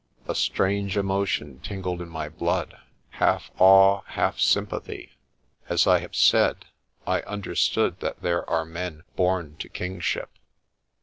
A strange emotion tingled in my blood, half awe, half sympathy. As I have said, I understood that there are men born to kingship.